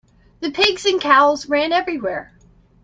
The pigs and cows ran everywhere.